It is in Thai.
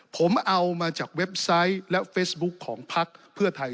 ผมเอามาจากเว็บไซต์และเฟซบุ๊คของพักเพื่อไทย